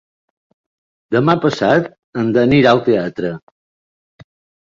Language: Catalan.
Demà passat en Dan irà al teatre.